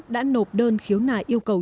đã nộp đơn khiếu nại yêu cầu